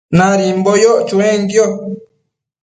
Nadimbo yoc chuenquio